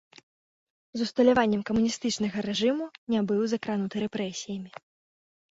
З усталяваннем камуністычнага рэжыму не быў закрануты рэпрэсіямі.